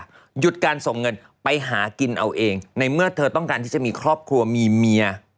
หยุดการส่งเงินไปหากินเอาเองในเมื่อเธอต้องการที่จะมีครอบครัวมีเมีย